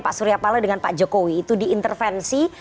pak suryapala dengan pak jokowi itu diintervensi